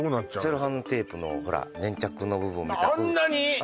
セロハンテープの粘着の部分みたくあんなに！？